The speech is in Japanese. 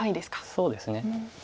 そうですね。